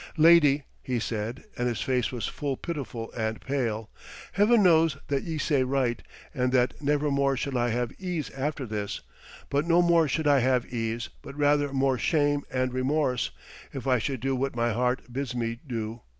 'Lady,' he said, and his face was full pitiful and pale, 'Heaven knows that ye say right, and that nevermore shall I have ease after this. But no more should I have ease, but rather more shame and remorse, if I should do what my heart bids me do.